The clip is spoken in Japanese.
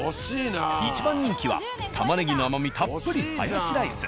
一番人気は玉ねぎの甘みたっぷりハヤシライス。